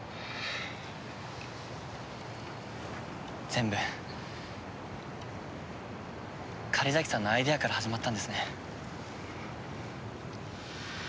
全部狩崎さんのアイデアから始まったんですね。